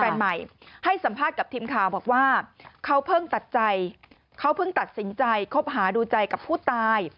แฟนใหม่ให้สัมภาษณ์กับทีมข่าวบอกว่าเขาเพิ่งตัดใจเขาเพิ่งตัดสินใจคบหาดูใจกับผู้ตาย